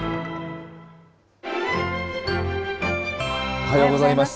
おはようございます。